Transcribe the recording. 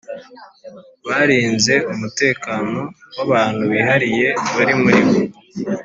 barinze umutekano w abantu bihariye bari muri bo